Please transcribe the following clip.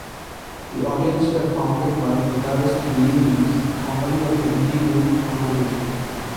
Theaudience were founded by guitarist Billy Reeves, formerly of the indie group Congregation.